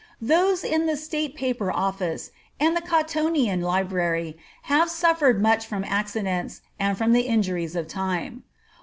Those in the State Paper Office, and in the Cottonian Library, have suffered much from accidents, and from the injuries of time.